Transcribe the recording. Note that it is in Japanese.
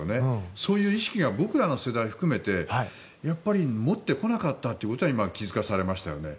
そういう意識が僕らの世代含めてやっぱり持ってこなかったということを今、気付かされましたよね。